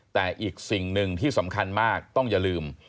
แต่อีกสิ่งหนึ่งที่สำคัญมากต้องอย่าลืม